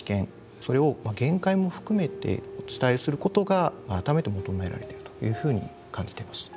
それを限界も含めてお伝えすることが改めて求められてるというふうに感じています。